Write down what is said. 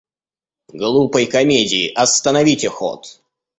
Глупой комедии остановите ход!